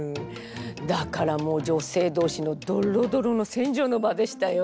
だからもう女性同士のドロドロの戦場の場でしたよ。